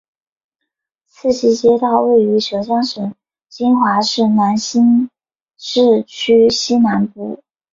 赤溪街道位于浙江省金华市兰溪市区西南部。